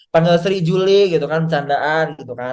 panggil sri juli gitu kan candaan gitu kan